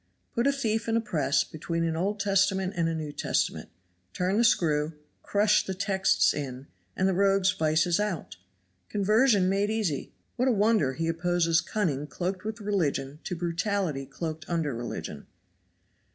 Put a thief in a press between an Old Testament and a New Testament. Turn the screw, crush the texts in, and the rogue's vices out! Conversion made easy! What a wonder he opposes cunning cloaked with religion to brutality cloaked under religion.